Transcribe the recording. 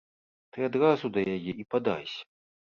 Ты адразу да яе і падайся.